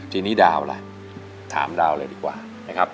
ทีนี้ดาวล่ะถามดาวเลยดีกว่านะครับ